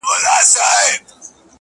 تا مي غریبي راته پیغور کړله ,